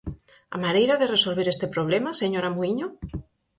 ¿A maneira de resolver este problema, señora Muíño?